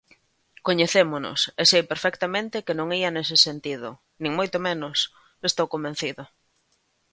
Coñecémonos e sei perfectamente que non ía nese sentido, nin moito menos, estou convencido.